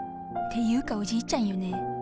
ていうかおじいちゃんよね。